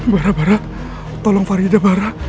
bara bara tolong farida bara